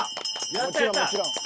もちろんもちろん。